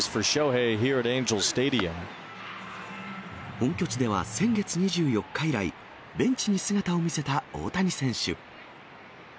本拠地では先月２４日以来、ベンチに姿を見せた大谷選手。